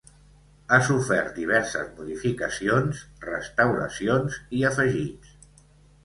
Ha sofert diverses modificacions, restauracions i afegits.